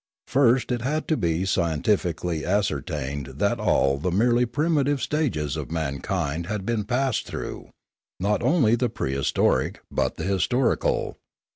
First it had to be scien tifically ascertained that all the merely primitive stages of mankind had been passed through, not only the prehistoric, but the historical.